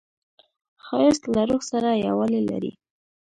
ښایست له روح سره یووالی لري